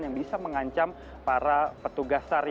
yang bisa mengancam para petugas sar